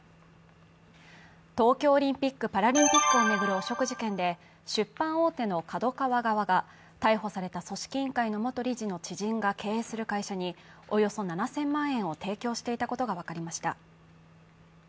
東京オリンピック・パラリンピックを巡る汚職事件で、出版大手のＫＡＤＯＫＡＷＡ側が、逮捕された組織委員会の元理事の知人が経営する会社におよそ７０００万円を提供していたことが分かりました。